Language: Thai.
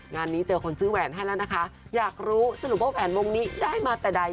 งานนี้เจอคนซื้อแหวนให้แล้วนะคะอยากรู้สรุปว่าแหวนวงนี้ได้มาแต่ใด